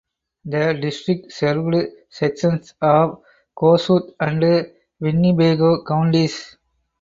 The district served sections of Kossuth and Winnebago counties.